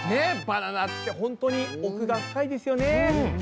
バナナってほんとに奥が深いですよね。